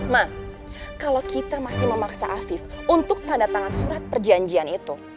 nah kalau kita masih memaksa afif untuk tanda tangan surat perjanjian itu